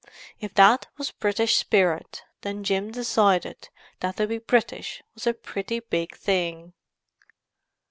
If that was British spirit, then Jim decided that to be British was a pretty big thing.